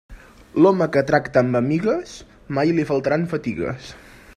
L'home que tracta amb amigues, mai li faltaran fatigues.